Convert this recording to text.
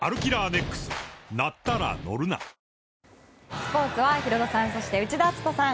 スポーツはヒロドさん、内田篤人さん